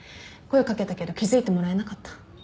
声掛けたけど気付いてもらえなかった。